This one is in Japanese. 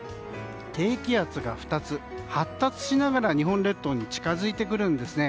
低気圧が２つ発達しながら日本列島に近づいてくるんですね。